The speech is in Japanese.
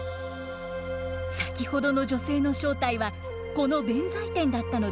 先ほどの女性の正体はこの弁財天だったのです。